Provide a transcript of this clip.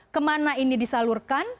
kemana ini disalurkan